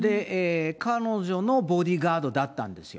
彼女のボディーガードだったんですよ。